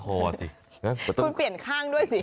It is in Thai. คุณเปลี่ยนข้างด้วยสิ